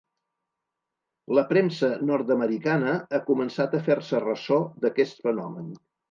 La premsa nord-americana ha començat a fer-se ressò d’aquest fenomen.